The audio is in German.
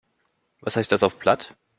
Was heißt das auf Platt?